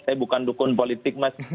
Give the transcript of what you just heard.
saya bukan dukun politik mas